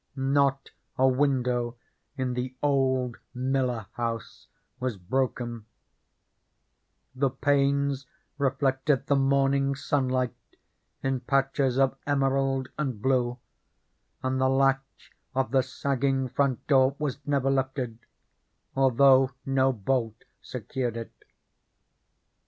Not a window in the old Miller house was broken: the panes reflected the morning sunlight in patches of emerald and blue, and the latch of the sagging front door was never lifted, although no bolt secured it.